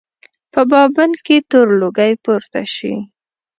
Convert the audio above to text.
په بابل کې تور لوګی پورته شي.